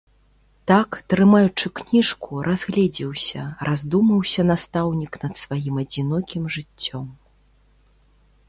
Так, трымаючы кніжку, разгледзеўся, раздумаўся настаўнік над сваім адзінокім жыццём.